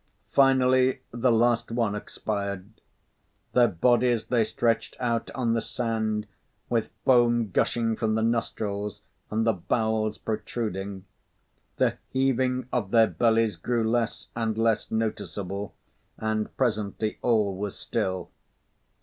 Finally the last one expired. Their bodies lay stretched out on the sand with foam gushing from the nostrils and the bowels protruding. The heaving of their bellies grew less and less noticeable, and presently all was still.